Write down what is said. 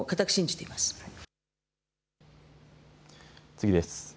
次です。